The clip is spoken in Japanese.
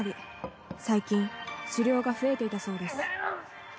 最近酒量が増えていたそうです。